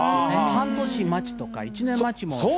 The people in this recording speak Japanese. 半年待ちとか１年待ちもあります。